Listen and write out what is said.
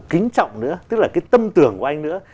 kính trọng nữa tức là cái tâm tưởng của anh nữa